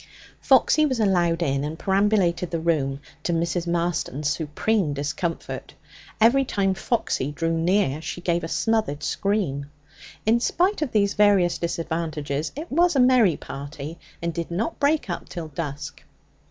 Foxy was allowed in, and perambulated the room, to Mrs. Marston's supreme discomfort; every time Foxy drew near she gave a smothered scream. In spite of these various disadvantages, it was a merry party, and did not break up till dusk.